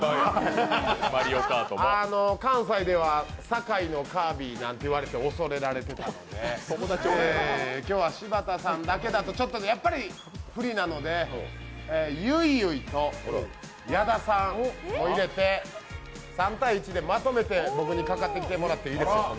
関西では堺のカービィなんて言われて恐れられてたんで、今日は柴田さんだけだと不利なので、ゆいゆいと矢田さんを入れて３対１でまとめて僕にかかってきてもらっていいですか。